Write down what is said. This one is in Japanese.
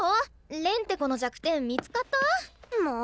恋って子の弱点見つかった？も！